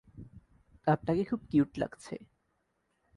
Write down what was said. আপনাকে খুব কিউট লাগছে।